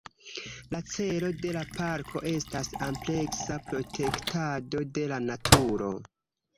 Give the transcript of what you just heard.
La celo de la parko estas ampleksa protektado de la naturo.